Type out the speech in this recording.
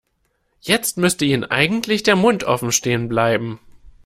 Jetzt müsste Ihnen eigentlich der Mund offen stehen bleiben.